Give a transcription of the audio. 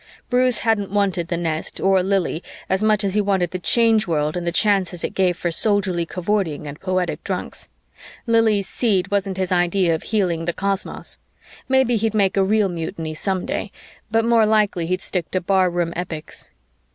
Bruce hadn't wanted the nest or Lili as much as he wanted the Change World and the chances it gave for Soldierly cavorting and poetic drunks; Lili's seed wasn't his idea of healing the cosmos; maybe he'd make a real mutiny some day, but more likely he'd stick to bar room epics.